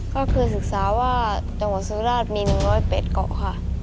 ก็คือศึกษาว่าจังหวัดสุราชมี๑๐๘เกาะค่ะ